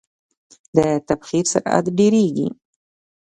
د تبخیر سرعت ډیریږي.